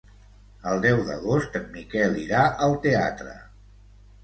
El deu d'agost en Miquel irà al teatre.